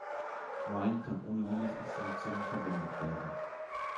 Wine kann ohne Windows-Installation verwendet werden.